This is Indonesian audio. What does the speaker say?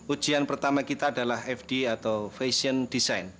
ujian pertama kita adalah fd atau fashion design